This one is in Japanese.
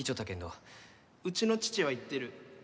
うちの父は言ってる。